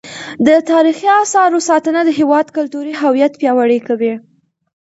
د تاریخي اثارو ساتنه د هیواد کلتوري هویت پیاوړی کوي.